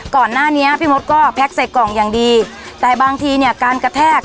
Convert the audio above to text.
ก่อนหน้านี้พี่มดก็แพ็คใส่กล่องอย่างดีแต่บางทีเนี่ยการกระแทก